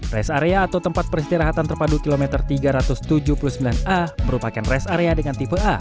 rest area atau tempat peristirahatan terpadu kilometer tiga ratus tujuh puluh sembilan a merupakan rest area dengan tipe a